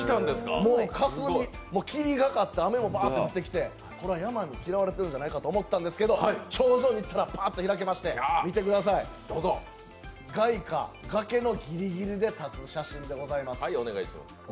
もう、かすみ、霧がかって、雨がバーッと降ってきてこれは山に嫌われてるんじゃないかと思ったんですけど、頂上に行ったらパーッと開けまして、眼下、崖のギリギリで立つ写真です